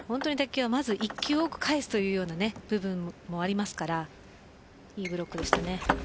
１球多く返すというような部分もありますからいいブロックでした。